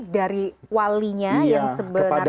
dari walinya yang sebenarnya